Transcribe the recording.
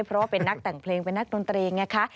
เพราะว่าเป็นนักแต่งเพลงเป็นนักดนตรีไงคะ